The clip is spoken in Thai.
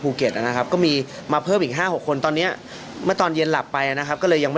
พ่อจะจำแน่กันไหม